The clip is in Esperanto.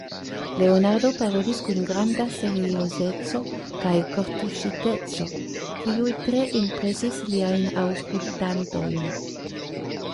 Leonardo parolis kun granda seriozeco kaj kortuŝiteco, kiuj tre impresis liajn aŭskultantojn.